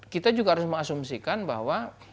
kita juga harus mengasumsikan bahwa